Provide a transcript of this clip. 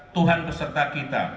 tuhan beserta kita